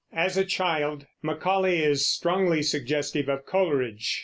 As a child, Macaulay is strongly suggestive of Coleridge.